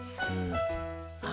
あ？